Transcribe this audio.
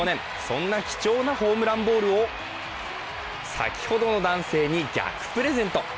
そんな貴重なホームランボールを先ほどの男性に逆プレゼント。